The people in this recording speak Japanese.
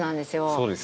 そうです。